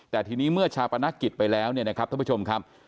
แต่ทีนี้เมื่อชาปนกิจไปแล้วเนี่ยนะครับท่านผู้ชมครับ